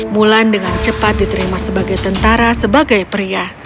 mulan dengan cepat diterima sebagai tentara sebagai pria